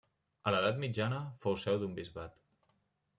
A l'edat mitjana fou seu d'un bisbat.